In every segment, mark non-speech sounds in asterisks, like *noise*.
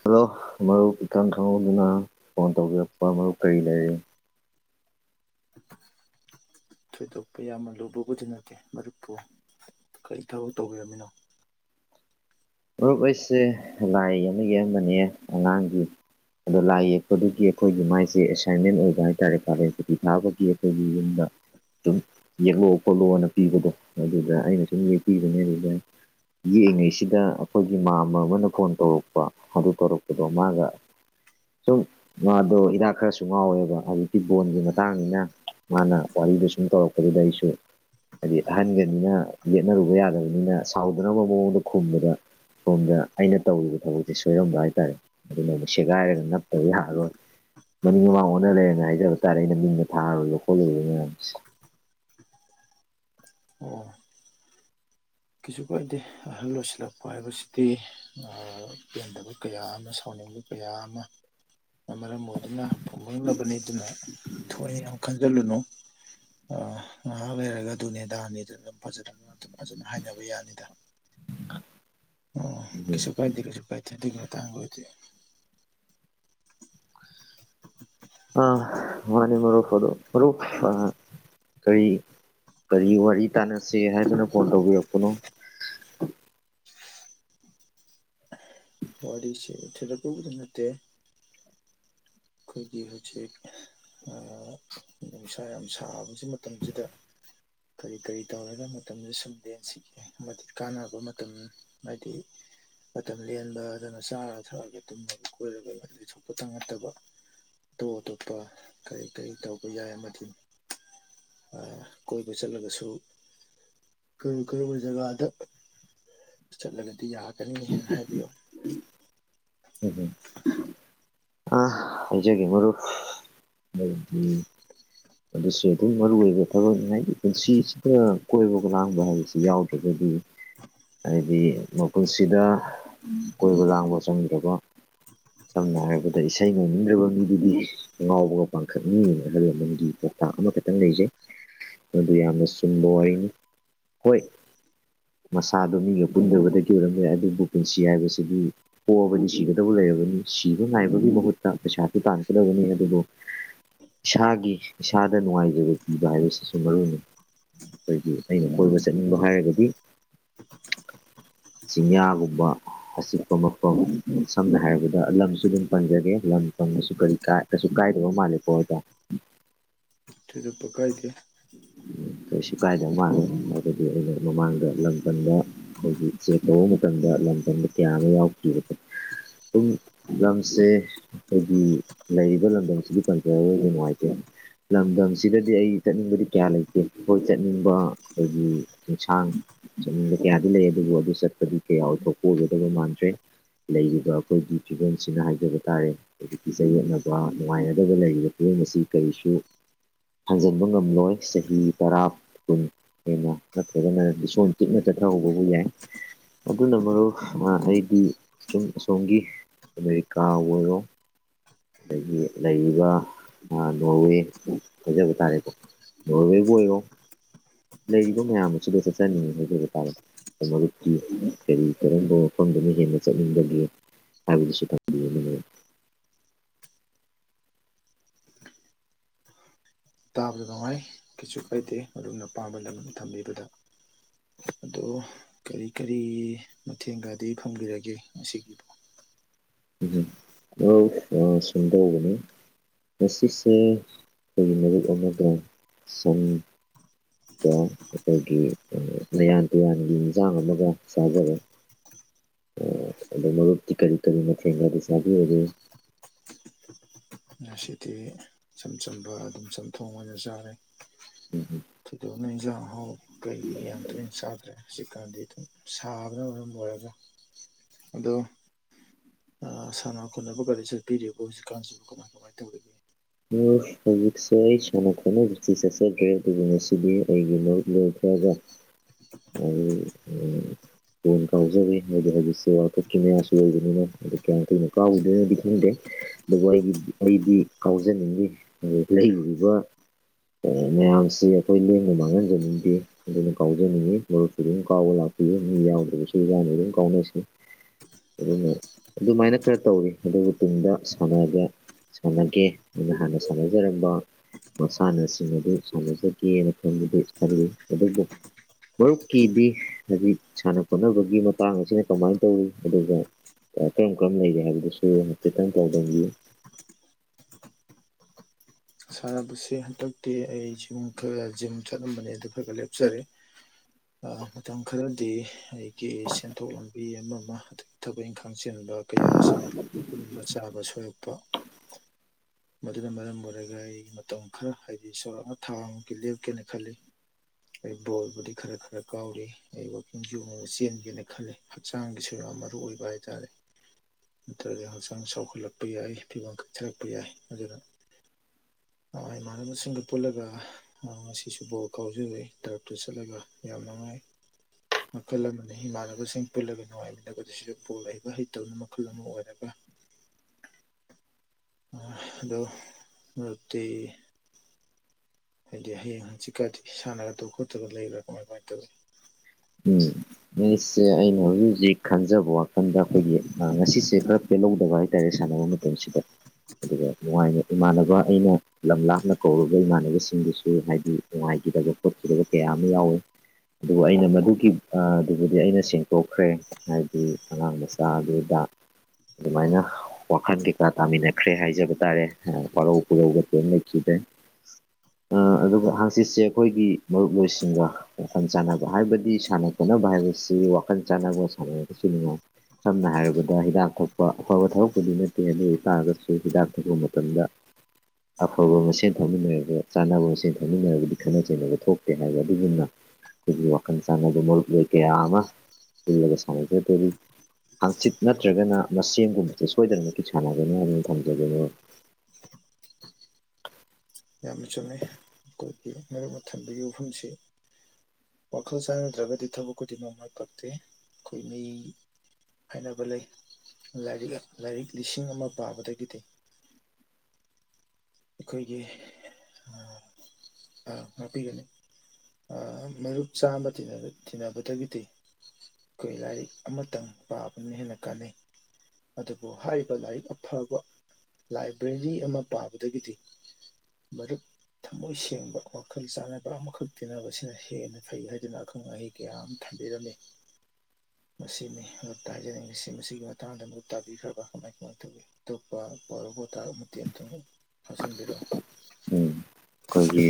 hello ꯃꯔꯨꯞ ꯏꯈꯪ ꯈꯪꯍꯧꯗꯨꯅ ꯐꯣꯟ ꯇꯧꯕꯤꯔꯛꯄ ꯃꯔꯨꯞ ꯀꯔꯤ ꯂꯩꯔꯤ ꯊꯣꯏꯗꯣꯛꯄ ꯌꯥꯝꯅ ꯂꯨꯕ ꯎꯁꯤꯟꯅꯈꯤꯦ ꯃꯔꯨꯞꯄꯨ ꯀꯔꯤ ꯊꯕꯛ ꯇꯧꯕꯤꯔꯝꯃꯤꯅꯣ ꯃꯔ꯭ꯔꯨꯞ ꯑꯩꯁꯦ ꯂꯥꯏ ꯑꯃꯒꯤꯕꯅꯦ ꯑꯉꯥꯡꯒꯤ ꯑꯗꯣ ꯂꯥꯏ ꯌꯦꯛꯄꯗꯨꯒꯤ ꯑꯩꯈꯣꯏꯒꯤ ꯃꯥꯏꯁꯦ ꯑꯦꯁꯥꯏꯟꯃꯦꯟ ꯑꯣꯏꯕ ꯍꯥꯏꯇꯥꯔꯦ ꯐꯥꯂꯁꯄꯇꯤ ꯊꯥꯕꯒꯤ ꯑꯩꯈꯣꯏꯒꯤ ꯌꯨꯝꯗ ꯁꯨꯝ ꯌꯦꯛꯂꯛ ꯈꯣꯠꯂꯣꯑꯣꯅ ꯄꯤꯕꯗꯣ ꯑꯗꯨꯗ ꯑꯩꯅ ꯁꯨꯝ ꯌꯦꯛꯄꯤꯕꯅꯦ ꯑꯗꯨꯗ ꯌꯦꯡꯁꯤꯗ ꯑꯩꯈꯣꯏꯒꯤ ꯃꯥ ꯑꯃ ꯑꯃꯅ ꯐꯣꯟ ꯇꯧꯔꯛꯄ ꯑꯗꯨ ꯇꯧꯔꯛꯄꯗꯣ ꯃꯥꯒ ꯁꯨꯝ ꯃꯥꯗꯣ ꯍꯤꯗꯥꯛ ꯈꯔꯁꯨ ꯉꯥꯎꯋꯦꯕ ꯍꯧꯖꯤꯛꯇꯤ ꯕꯣꯟꯒꯤ ꯃꯇꯥꯡꯅꯤꯅ ꯃꯥꯅ ꯄꯋꯥꯂꯤꯗꯁꯨꯝ ꯇꯧꯔꯛ ꯀꯗꯏꯁ ꯍꯥꯏꯗꯤ ꯑꯍꯟꯒꯅꯤꯅ ꯌꯦꯠꯅꯔꯨꯕ ꯌꯥꯗꯕꯅꯤꯅ ꯁꯥꯎꯗꯅꯕ ꯃꯑꯣꯡꯗ ꯈꯨꯝꯕꯗ ꯁꯣꯝꯗ ꯑꯩꯅ ꯇꯧꯔꯤꯕ ꯊꯕꯛꯁꯦ ꯁꯣꯏꯔꯝꯕ ꯍꯥꯏꯇꯥꯔꯦ ꯑꯗꯨꯅ ꯁꯦꯒꯥꯏꯔꯒ ꯅꯞꯇꯕ ꯌꯥꯑꯔꯣꯏ ꯃꯅꯤꯡ ꯃꯥꯡ ꯑꯣꯟꯅꯔꯦꯅ ꯍꯥꯏꯖꯕ ꯇꯥꯔꯦ ꯑꯩꯅ ꯃꯤꯡꯅ ꯊꯥꯔꯨꯣꯏꯔꯤꯕ ꯈꯣꯠꯂꯣꯔꯤꯕ ꯃꯌꯥꯝꯁꯦ *unintelligible* ꯑꯣ ꯀꯩꯁꯨ ꯀꯥꯏꯗꯦ ꯑꯍꯜ ꯂꯣꯏꯁꯤꯜꯂꯛꯄ ꯍꯥꯏꯕꯁꯤꯗꯤ ꯄꯦꯟꯗꯕ ꯀꯌꯥ ꯑꯃ ꯁꯥꯎꯅ ꯀꯌꯥ ꯑꯃ ꯃꯔꯝ ꯑꯣꯏꯗꯨꯅ ꯐꯨꯝꯃꯣꯏꯂꯕꯅꯤ ꯑꯗꯨꯅ ꯊꯣꯏꯏ ꯌꯥꯝ ꯈꯟꯖꯤꯜꯂꯨꯅꯨ ꯑ ꯉꯥꯏꯍꯥꯛ ꯂꯩꯔꯒ ꯑꯗꯨꯅꯦꯗꯥꯅꯤ ꯑꯗꯨ ꯐꯖꯅ ꯑꯗꯨꯝ ꯐꯖꯅ ꯍꯥꯏꯅꯕ ꯌꯥꯅꯤꯗ ꯑꯣ ꯀꯁꯨ ꯄꯥꯏꯗꯦ ꯀꯁꯨ ꯄꯥꯏꯗ ꯑꯗꯨ ꯇꯥꯡꯒ ꯑꯣꯏꯗꯤꯦ *unintelligible* ꯑ ꯃꯥꯅꯤ ꯔꯨꯐ ꯑꯗꯨ ꯔꯨꯐ ꯀꯔꯤ ꯀꯔꯤ ꯋꯥꯔꯤ ꯇꯥꯟꯅꯁꯤꯦ ꯍꯥꯏꯗꯅ ꯐꯣꯟ ꯇꯧꯕꯤꯔꯛꯄꯅꯣ *unintelligible* ꯋꯥꯔꯤꯗꯤꯁꯦ ꯊꯂꯄꯣꯗ ꯅꯠꯇꯦ ꯑꯩꯈꯣꯏꯒꯤ ꯍꯧꯖꯤꯛ ꯅꯨꯡꯁꯥ ꯌꯥꯝ ꯁꯥꯕꯁꯤ ꯃꯇꯝꯁꯤꯗ ꯀꯔꯤ ꯀꯔꯤ ꯇꯧꯔꯒ ꯃꯇꯝꯗ ꯁꯨꯝ ꯂꯦꯟꯁꯤꯒꯦ ꯑꯃꯗꯤ ꯀꯥꯟꯅꯕ ꯃꯇꯝ ꯍꯥꯏꯗꯤ ꯃꯇꯝ ꯂꯦꯟꯕ ꯑꯗꯨꯅ ꯆꯥꯔ ꯊꯛꯑꯒ ꯇꯨꯝꯃꯒ ꯀꯣꯏꯔꯒ ꯁꯣꯛꯄꯇ ꯅꯠꯇꯕ ꯑꯇꯣꯞ ꯑꯇꯣꯞꯄ ꯀꯔꯤ ꯀꯔꯤ ꯇꯧꯕ ꯌꯥꯏ ꯑꯃꯗꯤꯅꯤ ꯀꯣꯏꯕꯨ ꯆꯠꯂꯁꯨꯨ ꯀꯔ ꯀꯔ ꯎꯖꯒꯥꯗ ꯆꯠꯂꯒꯗꯤ ꯌꯥꯒꯅꯤ ꯍꯥꯏꯅ ꯍꯥꯏꯕꯤꯌꯨ ꯑ ꯍꯥꯏꯖꯒꯦ ꯃ ꯎꯝ ꯑꯗꯨꯁꯨ ꯑꯗꯨꯝ ꯃꯔꯨ ꯑꯣꯏꯕ ꯊꯕꯛꯅꯤ ꯍꯥꯏꯗꯤ ꯄꯨꯟꯁꯤꯁꯤꯗ ꯀꯣꯏꯕꯒ ꯂꯥꯡꯕ ꯍꯥꯏꯕꯁꯤ ꯌꯥꯎꯗ꯭ꯔꯒꯅꯤ ꯎꯝ ꯍꯥꯏꯗꯤ ꯃꯄꯨꯟꯁꯤꯗ ꯀꯣꯏꯕ ꯂꯥꯡꯕ ꯆꯪꯃꯤꯗ꯭ꯔꯀꯣ ꯁꯝꯅ ꯍꯥꯏꯔꯕꯗ ꯏꯁꯩ ꯉꯣꯡꯅꯤꯡꯗ꯭ꯔꯕ ꯃꯤꯗꯨꯗꯤ ꯉꯥꯎꯕꯒ ꯄꯥꯡꯈꯛꯅꯤꯅ ꯍꯥꯏꯕꯃꯒꯤ ꯄꯥꯎꯇꯥꯛ ꯑꯃꯈꯛꯇꯪ ꯂꯩꯖꯩ ꯑꯗꯨ ꯌꯥꯝꯅ ꯆꯨꯝꯕ ꯑꯣꯏꯅꯤ ꯍꯣꯏ ꯃꯁꯥꯗꯣ ꯃꯤꯒ ꯄꯨꯟꯗꯕꯗꯒꯤ ꯑꯣꯏꯔꯝꯃꯦ ꯌꯥꯏ ꯑꯗꯨꯕꯨ ꯄꯨꯟꯁꯤ ꯍꯥꯏꯕꯁꯤꯗꯤ ꯄꯣꯛꯑꯕꯗꯤ ꯁꯤꯒꯗꯕ ꯂꯩ ꯁꯤꯕ ꯉꯥꯏꯕꯒꯤ ꯃꯍꯨꯠꯇ ꯄꯩꯁꯥꯁꯨ ꯇꯥꯟꯒꯗꯕꯅꯤ ꯑꯗꯨꯕꯨ ꯏꯁꯥꯒꯤ ꯏꯁꯥꯗ ꯅꯨꯡꯉꯥꯏꯖꯕ ꯄꯤꯕ ꯍꯥꯏꯕꯁꯤꯁꯨ ꯃꯔꯨꯅꯤ ꯑꯩꯈꯣꯏꯒꯤ ꯑꯩꯅ ꯀꯣꯏꯕ ꯆꯠꯅꯤꯡꯕ ꯍꯥꯏꯔꯒꯗꯤ *unintelligible* ꯆꯤꯡꯌꯥꯒꯨꯝꯕ ꯑꯆꯤꯛꯄ ꯃꯐꯝ ꯁꯝꯅ ꯍꯥꯏꯔꯕꯗ ꯂꯝꯁꯨ ꯑꯗꯨꯝ ꯄꯟꯖꯒꯦ ꯂꯝ ꯪꯁꯨ ꯀꯔꯤ ꯀꯩꯁꯨ ꯀꯥꯏꯗꯕ ꯃꯥꯜꯂꯦꯀꯣ ꯑꯗ ꯄꯦꯗꯗꯨ ꯄꯀꯥꯏꯗ ꯀꯩꯁꯨ ꯀꯥꯏꯗꯧ ꯃꯥꯜꯂꯦ ꯍꯥꯏꯕꯗꯤ ꯑꯩꯅ ꯃꯃꯥꯡꯗ ꯂꯝ ꯀꯟꯕ ꯑꯩꯈꯣꯏꯒꯤ ꯆꯦꯛ ꯇꯧꯕ ꯃꯇꯝꯗ ꯂꯝꯗꯝꯗ ꯀꯌꯥ ꯑꯃ ꯌꯥꯎꯈꯤꯕꯗꯣ ꯑꯗꯨꯝ ꯂꯝꯁꯦ ꯑꯩꯈꯣꯏꯒꯤ ꯂꯩꯔꯤꯕ ꯂꯝꯗꯝꯁꯤꯒꯤ ꯄꯟꯖꯗ ꯌꯥꯝ ꯅꯨꯡꯉꯥꯏꯇꯦ ꯂꯝꯗꯝꯁꯤꯗꯗꯤ ꯑꯩ ꯆꯠꯅꯤꯡꯕꯗꯤ ꯀꯌꯥ ꯂꯩꯇꯦ ꯏꯈꯣꯏ ꯆꯠꯅꯤꯡꯕ ꯑꯩꯈꯣꯏꯒꯤ ꯆꯤꯡꯁꯥꯡ ꯆꯠꯅꯤꯡꯕ ꯀꯌꯥꯗꯤ ꯂꯩ ꯑꯗꯨ ꯑꯗꯨ ꯆꯠꯄꯗꯤ ꯀꯌꯥ ꯀ ꯑꯣꯏꯒꯗꯕ ꯃꯥꯟꯗ꯭ꯔꯦ ꯂꯩꯔꯤꯕ ꯑꯩꯈꯣꯏꯒꯤ ꯐꯤꯕꯝꯁꯤꯅ ꯍꯥꯏꯖꯕ ꯇꯥꯔꯦ ꯍꯧꯖꯤꯛꯀꯤ ꯆꯌꯦꯠꯅꯕ ꯅꯨꯡꯉꯥꯏꯅꯗꯕ ꯂꯩꯔꯤꯕ ꯐꯤꯝ ꯍꯥꯏ ꯃꯁꯤ ꯀꯔꯤꯁꯨ ꯊꯪꯖꯦ ꯣꯏꯨꯦꯟꯅꯠꯇ꯭ꯔꯒꯅ ꯇꯤꯛꯅ ꯆꯠꯊꯍꯧꯕ ꯑꯗꯨꯅ ꯃꯔꯨꯞ ꯑꯩꯗꯤ ꯁꯨꯝ ꯑꯁꯣꯝꯒꯤ ꯑꯃꯦꯔꯤꯀꯥ ꯑꯣꯏꯔꯣ ꯑꯗꯒꯤ ꯂꯩꯔꯤꯕ ꯧꯋꯤ ꯍꯥꯏꯖꯕ ꯇꯥꯔꯦ ꯅꯣꯔꯋꯦꯕꯨ ꯑꯣꯏꯔꯣ ꯂꯩꯔꯤꯕ ꯃꯌꯥꯝ ꯑꯁꯤꯗ ꯆꯠꯆꯅꯤꯡꯉꯤ ꯇꯥ ꯃꯔꯛꯇꯤ ꯀꯔꯤ ꯀꯔꯝꯕ ꯃꯐꯝꯗꯨꯅ ꯍꯦꯟꯅ ꯆꯠꯅꯤꯡꯕꯒꯦ ꯍꯥꯏꯕꯗꯨꯁꯨ ꯊꯝꯕꯤꯌꯅꯤ ꯎꯝ ꯇꯥꯕꯗ ꯅꯨꯡꯉꯥꯏ ꯀꯩꯁꯨ ꯀꯥꯏꯗꯦ ꯃꯔꯅ ꯄꯥꯝꯕ ꯂꯝ ꯑꯃ ꯊꯝꯕꯤꯕꯗ ꯑꯗꯣ ꯀꯔꯤ ꯀꯔꯤ ꯃꯇꯊꯦꯡꯒꯗꯤ ꯐꯪꯕꯤꯔꯒꯦ ꯉꯒꯤꯕꯨꯣ *inaudible* ꯎ ꯑ ꯑ ꯁꯟꯗꯒꯅꯤ ꯉꯁꯤꯁꯦ ꯑꯩꯈꯣꯏ ꯃꯔꯨꯞ ꯑꯃꯒ ꯁ ꯑꯩꯈꯣꯏꯒꯤ ꯃꯌꯥꯟ ꯇꯨꯌꯥꯟꯒꯤ ꯌꯦꯟꯁꯥꯡ ꯑꯃꯒ ꯆꯥꯖꯔ ꯑꯗꯣ ꯃꯔꯨꯞꯇꯤ ꯀꯔꯤ ꯀꯔꯤ ꯃꯊꯦꯡꯅ ꯑꯗꯨ ꯁꯥꯕꯤꯔꯒꯦ ꯉꯁꯤꯗꯤ ꯏꯆꯝ ꯆꯝꯕ ꯑꯗꯨꯝ ꯆꯝꯊꯣꯡ ꯑꯣꯏꯅ ꯆꯥꯔꯦ ꯎꯝ ꯎꯝ ꯅꯣꯏꯖꯥꯡ ꯍꯥꯎ ꯀꯩꯒꯤ ꯌꯥꯝ ꯇꯣꯏꯅ ꯆꯥꯗ꯭ꯔꯦ ꯍꯧꯖꯤꯛꯀꯥꯟꯗꯤ ꯑꯗꯨꯝ ꯁꯥꯕꯅ ꯃꯔꯝ ꯑꯣꯏꯔꯒ ꯑꯗꯣ ꯁꯥꯟꯅ ꯈꯣꯠꯅꯕ ꯒꯥꯔꯤ ꯆꯠꯄꯤꯔꯤꯕ ꯍꯧꯖꯤꯛꯀꯥꯟꯁꯤ ꯀꯃꯥꯏ ꯀꯃꯥꯏꯅ ꯇꯧꯔꯤꯒꯦ ꯍꯧꯁ ꯁꯅ ꯈ ꯁꯤ ꯆꯦꯁꯦ ꯁꯤ ꯑꯩ ꯂꯣꯏꯈ ꯍꯥꯏꯖ ꯎ ꯎꯝ ꯐꯣꯟ ꯀꯥꯎꯖꯔꯦ ꯍꯥꯏꯗꯤ ꯍꯧꯖꯤꯛꯁꯦ ꯋꯥꯀꯠ ꯀꯦꯃꯦꯔꯥꯁꯨ ꯑꯣꯏꯕꯅꯤꯅ ꯑ ꯀꯌꯥꯝ ꯀꯨꯩꯅꯣ ꯀꯥꯎꯗꯣꯏꯅꯣꯗꯤ ꯈꯪꯗꯦ ꯑꯗꯨꯕꯨ ꯑꯩꯒꯤ ꯑꯩꯗꯤ ꯀꯥꯎꯖꯅꯤꯡꯉꯤ ꯂꯩꯔꯨꯔꯤꯕ ꯃꯌꯥꯝꯁꯤ ꯑꯩꯈꯣꯏ ꯂꯦꯡꯕ ꯃꯥꯡꯍꯟꯖꯅꯤꯡꯗꯦ ꯑꯗꯨꯅ ꯀꯥꯎꯖꯅꯤꯡꯉꯤ ꯃꯔꯨꯞꯁꯨ ꯑꯗꯨꯝ ꯀꯥꯎꯕ ꯂꯥꯛꯄ ꯃꯤ ꯌꯥꯎꯗ꯭ꯔꯕꯁꯨ ꯌꯥꯅ ꯑꯗꯨꯨꯝ ꯀꯥꯎꯅꯁꯤꯅꯤ ꯑꯗꯨꯅ ꯑꯗꯨꯃꯥꯏꯅ ꯈꯔ ꯇꯧꯋ ꯑꯗꯨꯕꯨ ꯇꯨꯡꯗ ꯁꯅꯒ ꯁꯥꯟꯅꯒꯦ ꯑꯩꯅ ꯍꯥꯟꯅ ꯁꯥꯟꯅꯖꯔꯝꯕ ꯃꯁꯥꯟꯅꯁꯤꯡ ꯑꯗꯨ ꯁꯥꯟꯅꯖꯒꯦꯅ ꯈꯟꯕꯗꯤ ꯈꯜꯂꯤ ꯑꯗꯨꯕꯨ ꯃꯔꯨꯞꯀꯤꯗꯤ ꯍꯧꯖꯤꯛ ꯁꯥꯟꯅ ꯈꯣꯠꯅꯕꯒꯤ ꯃꯇꯥꯡ ꯑꯁꯤꯅ ꯀꯃꯥꯏꯅ ꯇꯧꯔꯤ ꯑꯗꯨꯒ ꯀꯔꯝ ꯀꯔꯝꯝꯕ ꯂꯩꯒꯦ ꯍꯥꯏꯕꯗꯨꯁꯨ ꯈꯤꯇꯪ ꯇꯥꯎꯗꯕꯤꯌꯨ ꯁꯥꯟꯅꯕꯁꯦ ꯍꯟꯗꯛꯇꯤ ꯑꯩ ꯖꯤꯝ ꯈꯔ ꯖꯤꯝ ꯆꯠꯂꯝꯕꯅꯦ ꯑꯗꯨ ꯈꯔ ꯈ ꯂꯦꯞꯆꯔꯦ ꯃꯇꯝ ꯈꯔꯗꯤ ꯑꯩꯒꯤ ꯁꯦꯟꯊꯣꯛ ꯂꯝꯕꯤ ꯑꯃ ꯑꯃ ꯑꯗꯒꯤ ꯊꯕꯛ ꯏꯪꯈꯥꯡ ꯆꯦꯟ ꯀꯌꯥ ꯑꯁꯤꯅ ꯄꯨꯟꯕ ꯆꯥꯕ ꯁꯣꯏꯔꯛꯄ ꯃꯗꯨꯅ ꯃꯔꯝ ꯃꯔꯦꯒ ꯃꯇꯝ ꯈꯔ ꯍꯥꯏꯗꯤ ꯁꯣꯔꯥꯛꯅ ꯊꯥꯃꯨꯛꯀꯤ ꯂꯦꯞꯀꯦꯅ ꯈꯜꯂꯤ ꯑꯩ ꯕꯣꯜꯕꯨꯗꯤ ꯈꯔ ꯈꯔ ꯀꯥꯎꯔꯤ ꯑꯩ ꯋꯥꯛꯀꯤꯡꯁꯨꯖꯨ ꯆꯦꯟꯒꯦꯅ ꯈꯜꯂꯤ ꯍꯛꯆꯥꯡꯒꯤꯁꯨ ꯌꯥꯝ ꯃꯔꯨ ꯑꯣꯏꯕ ꯍꯥꯏꯇꯥꯔꯦ ꯅꯠꯇ꯭ꯔꯒ ꯍꯛꯆꯥꯡ ꯆꯥꯎꯈꯠꯂꯛꯄ ꯌꯥꯏ ꯐꯤꯕꯝ ꯀꯛꯊꯔꯛꯄ ꯌꯥꯏ ꯑꯗꯨꯅ *unintelligible* ꯏꯃꯥꯟꯅꯕꯁꯤꯡꯒ ꯄꯨꯜꯂꯒ ꯉꯁꯤꯁꯨ ꯕꯣꯜ ꯀꯥꯎꯖꯔꯏ ꯇ꯭ꯔꯛꯇꯨ ꯆꯠꯂꯒ ꯌꯥꯝ ꯅꯨꯡꯉꯥꯏ ꯍ ꯃꯈꯜ ꯑꯃꯅꯤ ꯏꯃꯥꯟꯅꯕꯁꯤꯡ ꯄꯨꯜꯂꯒ ꯅꯨꯡꯉꯥꯏꯃꯤꯟꯅꯕꯗ ꯁꯤꯁꯨ ꯕꯣꯜ ꯍꯩꯕ ꯍꯩꯇꯕꯅ ꯃꯈꯜ ꯑꯃ ꯑꯣꯏꯔꯒ *unintelligible* ꯑꯗꯨꯗꯣ ꯔꯇꯤ ꯍꯥꯏꯗꯤ ꯍꯌꯦꯡ ꯍꯪꯆꯤꯛꯀꯁꯤ ꯁꯥꯟꯅꯒꯗꯕ ꯈꯣꯠꯇ꯭ꯔꯒ ꯂꯩꯕ꯭ꯔꯥ ꯀꯃꯥꯏ ꯀꯃꯥꯏꯅ ꯇꯧꯤ ꯎꯝ ꯉꯁꯦ ꯑꯩꯅ ꯍꯧꯖꯤꯛ ꯍꯧꯖꯤꯛ ꯈꯟꯖꯕ ꯋꯥꯈꯜꯗ ꯑꯩꯈꯣꯏꯒꯤ ꯉꯁꯤꯁꯦ ꯈꯔ ꯄꯦꯜꯍꯧ ꯋꯥꯏ ꯇꯔꯦ ꯁꯥꯟꯅ ꯃ ꯄꯨꯁꯤꯗ ꯑꯗꯨꯒ ꯅꯨꯡꯉꯥꯏꯅ ꯏꯃꯥꯟꯅꯕ ꯑꯩꯅ ꯂꯝ ꯂꯥꯞꯅ ꯀꯧꯨꯕ ꯏꯃꯥꯟꯅꯕꯁꯤꯡꯗꯨꯁꯨ ꯍꯥꯏꯗꯤ ꯅꯨꯡꯉꯥꯏꯇ ꯈꯠꯗꯕ ꯀꯌꯥ ꯑꯃ ꯌꯥꯎꯋꯤ ꯑꯗꯨꯕꯨ ꯑꯩꯅ ꯃꯗꯨ ꯒꯤ ꯑꯗꯨꯕꯨꯗꯤ ꯑꯩꯅ ꯁꯦꯡꯗꯣꯛꯈ꯭ꯔꯦ ꯍꯥꯏꯕꯗꯤ ꯑꯉꯥꯡ ꯃꯆꯥ ꯑꯗꯨꯗ ꯑꯗꯨꯃꯥꯏꯅ ꯋꯥꯈꯜ ꯀꯩꯀꯥ ꯇꯥꯃꯤꯟꯅꯈ꯭ꯔꯦ ꯍꯥꯏꯖꯕ ꯇꯥꯔꯦ ꯄꯔꯧ ꯄꯨꯔꯧꯒ ꯀꯦꯝ ꯂꯩꯈꯤꯗ꯭ꯔꯦ *unintelligible* ꯑꯗꯨꯒ ꯍꯥꯡꯆꯤꯠꯁꯦ ꯑꯩꯈꯣꯏꯒꯤ ꯃꯔꯨꯞꯂꯣꯏꯁꯤꯡꯒ ꯋꯥꯈꯜ ꯆꯥꯟꯅꯕ ꯍꯥꯏꯕꯗꯤ ꯁꯥꯟ ꯀꯩꯅꯣ ꯍꯥꯏꯥꯏꯕꯁꯤ ꯋꯥꯈꯅ ꯆꯕꯨꯣ ꯁꯅꯁꯨꯉ ꯁꯝꯅ ꯍꯥꯏꯔꯕꯗ ꯍꯤꯗꯥꯛ ꯊꯣꯛꯄ ꯑꯐꯕ ꯊꯕꯛꯄꯨꯗꯤ ꯅꯠꯇꯦ ꯑꯗꯨ ꯑꯣꯏꯇꯥꯔꯒꯁꯨ ꯍꯤꯗꯥꯛ ꯊꯣꯛꯄ ꯃꯇꯝꯗ ꯑꯐꯕ ꯃꯁꯦꯟ ꯊꯝꯃꯤꯟꯅꯔꯒ ꯆꯥꯅꯕ ꯃꯁꯦꯟ ꯊꯝꯃꯤꯟꯅꯒꯗꯤ ꯈꯠꯅ ꯆꯩꯅꯕ ꯊꯣꯛꯇꯦ ꯍꯥꯏꯕ ꯑꯗꯨꯒꯨꯝꯅ ꯋꯥ ꯆꯪꯗꯨ ꯃꯣꯜ ꯂꯣꯏ ꯀꯦꯌꯥ ꯁꯦ ꯇ ꯍꯥꯡꯆꯤꯠ ꯅꯠꯇ꯭ꯔꯒꯅ ꯃꯦꯟꯒꯨꯝꯕꯁꯦ ꯁꯣꯏꯗꯅꯃꯛꯀꯤ ꯁꯥꯟꯅꯒꯅꯤ ꯍꯥꯏꯅ ꯊꯝꯖꯕꯅꯤ *unintelligible* ꯌꯥꯝꯅ ꯆꯨꯝꯃꯤ ꯑꯩꯈꯣꯏꯒꯤ ꯃꯔꯨꯞ ꯃ ꯊꯟꯕꯒꯤ ꯋꯥꯐꯝꯁꯤ ꯋꯥꯈꯜ ꯆꯥꯟꯅꯗ꯭ꯔꯒꯗꯤ ꯊꯕꯛ ꯈꯨꯗꯤꯃꯛ ꯃꯥꯏ ꯄꯥꯛꯇꯦ ꯑꯩꯈꯣꯏ ꯃꯤ ꯍꯥꯏꯅꯕ ꯂꯩ ꯂꯥꯏꯔꯤꯛ ꯂꯥꯏꯔꯤꯛ ꯂꯤꯁꯤꯡ ꯑꯃ ꯄꯥꯕꯗꯒꯤꯗꯤ ꯑꯩꯈꯣꯏꯒꯤ ꯉꯥꯛꯄꯤꯒꯅꯤ ꯃꯔꯨꯞ ꯆꯥꯃ ꯇꯤꯟꯅꯕꯗꯒꯤꯗꯤ ꯑꯩꯈꯣꯏ ꯂꯥꯏꯔꯤꯛ ꯑꯃꯇꯪ ꯄꯥꯕꯅ ꯍꯦꯟꯅ ꯀꯥꯟꯅꯩ ꯑꯗꯨꯕꯨ ꯍꯥꯏꯔꯤꯕ ꯂꯥꯏꯔꯤꯛ ꯑꯐꯕ ꯂꯥꯏꯕ꯭ꯔꯦꯔꯤ ꯑꯃ ꯄꯥꯕꯗꯒꯤꯗꯤ ꯃꯔꯔ ꯊꯝꯃꯣꯏ ꯁꯦꯡꯕ ꯋꯥꯈꯜ ꯆꯥꯟꯅꯕ ꯑꯃꯈꯛ ꯇꯤꯟꯅꯕꯁꯤꯅ ꯍꯦꯟꯅ ꯐꯩ ꯍꯥꯏꯗꯨꯅ ꯑꯈꯪ ꯑꯍꯩ ꯀꯌꯥ ꯑꯃ ꯊꯝꯩ ꯕꯤꯔꯝꯅꯤ ꯃꯁꯤꯅꯤ ꯑꯇ ꯍꯥꯏꯖꯅꯤꯡꯉꯤꯁꯤ ꯃꯁꯤꯒꯤ ꯃꯇꯥꯡꯗ ꯃꯠ ꯇꯥꯕꯤꯈ꯭ꯔꯕ ꯀꯃꯥꯏ ꯀꯃꯥꯏꯅ ꯇꯧꯋꯤ ꯑꯇꯣꯞꯄ ꯄꯣꯔꯕꯨ ꯊꯥꯔ ꯃꯨ ꯇꯝꯇ ꯐꯁꯟꯕꯤꯔ ꯎꯝ ꯑꯩꯈꯣꯏꯒꯤ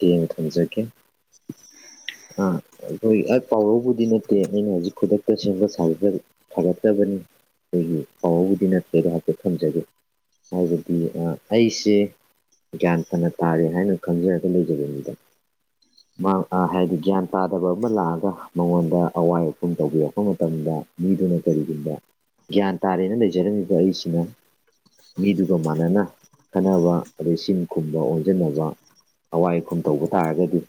ꯌꯦꯌꯦꯡ ꯊꯝꯖꯒꯦ *unintelligible* ꯑ ꯍꯈꯣꯏ ꯍ ꯄꯥꯎꯔꯧꯕꯗꯤ ꯅꯠꯇꯦ ꯑꯩꯅ ꯍꯧꯖꯤꯛ ꯈꯨꯗꯛꯇ ꯁꯦꯝꯕ ꯁꯥꯖ ꯐꯔꯛꯇꯕꯅꯤ ꯑꯩꯒꯤ ꯄꯥꯎꯧꯕꯗꯤ ꯅꯠꯇꯦꯗꯣ ꯍꯥꯏꯐꯦꯠ ꯊꯝꯖꯒꯦ ꯍꯥꯏꯕꯗꯤ ꯑꯩꯁꯦ ꯒ꯭ꯌꯥꯟ ꯐꯅ ꯇꯥꯔꯦ ꯍꯥꯏꯅ ꯈꯪꯖꯔꯒ ꯂꯩꯖꯕꯦ ꯃꯤꯗ ꯍꯥꯏꯗꯤ ꯒ꯭ꯌꯥꯟ ꯇꯥꯗꯕ ꯑꯃ ꯂꯥꯛꯑꯒ ꯃꯉꯣꯟꯗ ꯑꯋꯥꯏ ꯑꯈꯨꯝ ꯇꯧꯕꯤꯔꯛꯄ ꯃꯇꯝꯗ ꯃꯤꯗꯨꯅ ꯀꯔꯤꯒꯨꯝꯕ ꯒ꯭ꯌꯥꯟ ꯇꯥꯔꯦꯅ ꯂꯩꯖꯔꯝꯃꯤꯕ ꯑꯩꯁꯤꯅ ꯃꯤꯗꯨꯒ ꯃꯥꯟꯅꯅ ꯈꯟꯅꯅꯕ ꯑꯗꯩ ꯁꯤꯟ ꯈꯨꯝꯕ ꯑꯣꯟꯁꯤꯟꯅꯕ ꯑꯋꯥꯏ ꯑꯈꯨꯝ ꯇꯧꯕ ꯇꯥꯔꯒꯗꯤ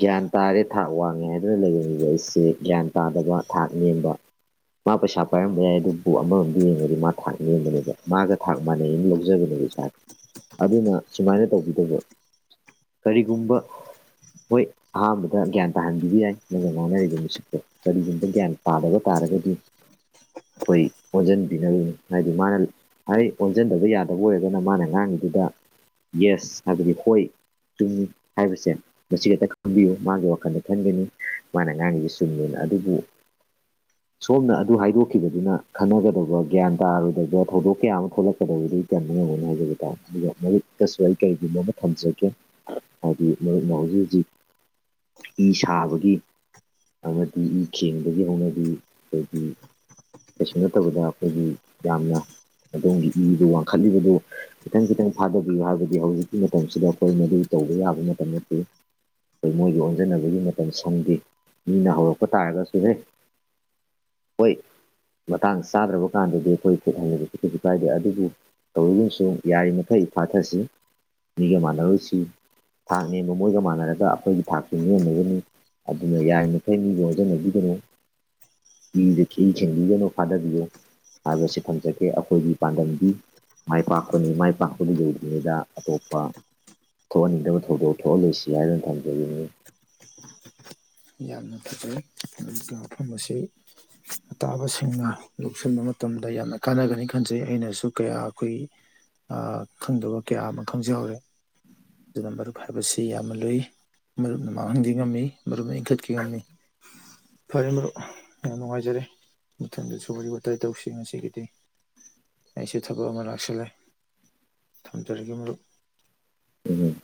ꯒ꯭ꯌꯥꯟ ꯇꯥꯔꯦ ꯊꯥꯛ ꯋꯥꯡꯉꯦ ꯍꯥꯏꯗꯨꯅ ꯂꯩꯔꯝꯃꯤꯕ ꯑꯩꯁꯦ ꯒ꯭ꯌꯥꯟ ꯇꯥꯗꯕ ꯊꯥꯛ ꯅꯦꯝꯕ ꯃꯥ ꯄꯩꯁꯥ ꯄꯥꯏꯔꯝꯕ ꯌꯥꯏ ꯑꯗꯨꯕꯨ ꯑꯃꯃꯣꯝꯗ ꯌꯦꯡꯉꯗꯤ ꯃꯥ ꯊꯥꯛ ꯂꯦꯝꯕꯅꯦꯕ ꯃꯥꯒ ꯊꯥꯛ ꯃꯥꯟꯅꯩꯅ ꯂꯧꯖꯕꯅꯦ ꯑꯗꯨꯅ ꯁꯨꯃꯥꯏꯅ ꯇꯧꯕꯤꯗꯕ ꯀꯔꯤꯒꯨꯝꯕ ꯍꯣꯏ ꯑꯍꯥꯟꯕꯗ ꯒ꯭ꯌꯥꯟ ꯇꯥꯍꯟꯕꯤꯕ ꯌꯥꯏ ꯅꯪꯒ ꯉꯥꯡꯅꯔꯤꯕ ꯃꯤꯁꯤꯛꯇꯣ ꯀꯔꯤꯒꯨꯝꯕ ꯒ꯭ꯌꯥꯟ ꯇꯥꯕ ꯇꯥꯔꯦ ꯔꯒꯦꯗꯤ ꯑꯩꯈꯣꯏ ꯑꯣꯟꯁꯤꯟꯕꯤꯅꯔꯤꯅꯤ ꯍꯥꯏꯗꯤ ꯃꯥꯅ ꯍꯥꯏ ꯑꯣꯟꯁꯤꯟꯗꯕ ꯌꯥꯗꯕ ꯑꯣꯏꯔꯒꯅ ꯃꯥꯅ ꯑꯉꯥꯡꯒꯤ ꯑꯗꯨꯗ ꯌꯦꯁ ꯍꯥꯏꯕꯗꯤ ꯍꯣꯏ ꯆꯨꯝꯃꯤ ꯍꯥꯏꯕꯁꯦ ꯃꯁꯤ ꯈꯛꯇ ꯈꯪꯕꯤꯌꯨ ꯃꯥꯒꯤ ꯋꯥꯈꯜꯗ ꯈꯟꯒꯅꯤ ꯃꯥꯅ ꯑꯉꯥꯡꯒꯤꯁꯤ ꯆꯨꯝꯗꯅ ꯑꯗꯨꯕꯨ *inaudible* ꯁꯣꯝꯅ ꯑꯗꯨ ꯍꯥꯏꯗꯣꯛꯈꯤꯕꯗꯨꯅ ꯈꯟꯅꯒꯗꯕ ꯒ꯭ꯌꯥꯟ ꯇꯥꯔꯣꯏꯗꯕ ꯊꯧꯗꯣꯛ ꯀꯌꯥ ꯑꯃ ꯊꯣꯛꯂꯛꯀꯗꯕꯗꯨ ꯇꯝꯃꯦ *inaudible* ꯃꯔꯛꯇꯁꯨ ꯑꯩ ꯀꯔꯤꯒꯤꯅꯣꯃ ꯊꯝꯖꯒꯦ ꯍꯥꯏꯗꯤ ꯃꯔꯨꯞ ꯍꯧꯖꯤꯛ ꯍꯧꯖꯤꯛ ꯐ ꯁꯥꯕꯒꯤ ꯑꯃꯗꯤ ꯏ ꯈꯦꯡꯕꯗꯒꯤ ꯍꯧꯅꯕꯤ ꯑꯩꯈꯣꯏꯒꯤ ꯀꯩꯁꯨ ꯅꯠꯇꯕꯗ ꯑꯩꯈꯣꯏꯒꯤ ꯌꯥꯝꯅ ꯑꯗꯣꯝꯒꯤ ꯏꯗꯨ ꯋꯥꯡꯈꯠꯂꯤꯕꯗꯨ ꯈꯤꯇꯪ ꯈꯤꯇꯪ ꯊꯥꯗꯕꯤꯌꯨ ꯍꯥꯏꯕꯗꯤ ꯍꯧꯖꯤꯛꯀꯤ ꯃꯇꯝꯁꯤꯗ ꯑꯩꯈꯣꯏ ꯃꯗꯨ ꯇꯧꯕ ꯌꯥꯕ ꯃꯇꯝ ꯅꯠꯇꯦ ꯑꯩꯈꯣꯏ ꯃꯣꯏꯒꯤ ꯑꯣꯟꯖꯕꯒꯤ ꯃꯇꯝ ꯁꯪꯗꯦ ꯃꯤꯅ ꯍꯧꯔꯛꯄ ꯇꯥꯔꯒꯁꯨꯍꯦ ꯍꯣꯏ ꯃꯇꯥꯡ ꯆꯥꯗ꯭ꯔꯕ ꯀꯥꯟꯗꯗꯤ ꯑꯩꯈꯣꯏ ꯈꯨꯠ ꯍꯟꯟꯅꯗꯤꯁꯨꯁꯨꯁꯨ ꯀꯥꯏꯗꯦ ꯑꯗꯨꯕꯨ ꯇꯧꯔꯤꯁꯨ ꯌꯥꯔꯤꯃꯊꯩ ꯐꯥꯊꯁꯤ ꯃꯤꯒ ꯃꯥꯟꯅꯔꯨꯁꯤ ꯊꯥꯛ ꯅꯦꯝꯕ ꯃꯣꯏꯒ ꯃꯥꯟꯅꯔꯒ ꯑꯩꯈꯣꯏꯒꯤ ꯊꯥꯛꯁꯤ ꯅꯦꯝꯅꯒꯅꯤ ꯑꯗꯨꯅ ꯌꯥꯔꯤꯃꯈꯩ ꯃꯤꯕꯨ ꯑꯣꯟꯖꯟꯅꯕꯤꯒꯅꯨ ꯍꯗꯤ ꯆꯤ ꯆ ꯍꯗꯤꯅꯣ ꯐꯥꯗꯔꯕꯤ ꯍꯥꯏꯕꯁꯤ ꯊꯝꯖꯒꯦ ꯑꯩꯈꯣꯏꯒꯤ ꯄꯥꯟꯗꯝꯗꯤ ꯃꯥꯏ ꯄꯥꯛ ꯃꯥꯏ ꯄꯥꯛꯄꯗꯨ ꯌꯧꯗ꯭ꯔꯤꯉꯩꯗ ꯑꯇꯣꯞꯄ ꯊꯣꯛꯍꯟꯅꯤꯡꯗꯕ ꯊꯧꯗꯣꯛ ꯊꯣꯛꯍꯜꯂꯣꯏꯁꯤ ꯍꯥꯏꯗꯨꯅ ꯊꯝꯖꯅꯤꯡꯅꯤ *inaudible* ꯌꯥꯝꯅ ꯐꯖꯩ ꯑꯗꯨꯒ ꯃꯐꯝ ꯑꯁꯤ ꯑꯇꯥꯕꯁꯤꯡꯅ ꯂꯧꯁꯤꯟꯕ ꯃꯇꯝꯗ ꯗ ꯌꯥꯝꯅ ꯀꯥꯟꯅꯒꯅꯤ ꯈꯟꯖꯩ ꯑꯩꯅꯁꯨ ꯀꯌꯥ ꯑꯩꯈꯣꯏ ꯈꯪꯗꯕ ꯀꯌꯥ ꯑꯃ ꯈꯪꯖꯍꯧꯔꯦ ꯑꯗꯨꯅ ꯃꯔꯨꯞ ꯍꯥꯏꯕꯁꯤ ꯌꯥꯝꯅ ꯂꯨꯏ ꯃꯔꯨꯞꯅ ꯃꯥꯡꯍꯟꯗꯤ ꯉꯝꯃꯤ ꯃꯔꯨꯞꯅ ꯏꯟꯈꯠ ꯀꯤꯃꯤ ꯐꯔꯦ ꯃꯔꯨꯞ ꯌꯥꯝ ꯅꯨꯡꯉꯥꯏꯖꯔꯦ ꯃꯊꯪꯗꯁꯨ ꯋꯥꯔꯤ ꯋꯥꯇꯥꯏ ꯇꯧꯁꯤ ꯉꯁꯤꯒꯤꯗꯤ ꯑꯩꯁꯨ ꯊꯕꯛ ꯑꯃ ꯂꯥꯛꯁꯤꯜꯂꯦ ꯊꯝꯖꯔꯒꯦ ꯑꯃꯨꯛ ꯑꯗꯨꯝ